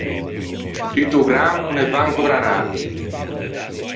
Tutto o gran o ne va into granâ